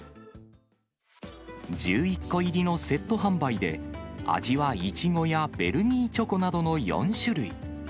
１１個入りのセット販売で、味はいちごやベルギーチョコなどの４種類。